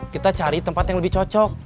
kita cari tempat yang lebih cocok